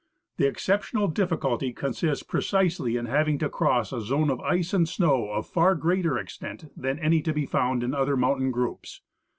The exceptional difficulty consists precisely in having to cross a zone of ice and snow of far greater extent than any to be found in other mountain groups.